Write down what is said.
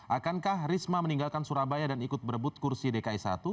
akankah risma meninggalkan surabaya dan ikut berebut kursi dki satu